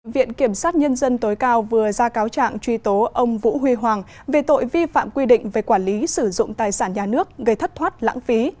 viện kiểm sát nhân dân tối cao vừa ra cáo trạng truy tố ông vũ huy hoàng về tội vi phạm quy định về quản lý sử dụng tài sản nhà nước gây thất thoát lãng phí